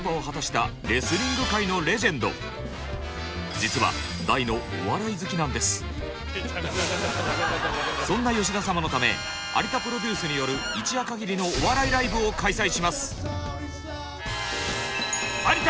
実はそんな吉田様のため有田プロデュースによる一夜かぎりのお笑いライブを開催します。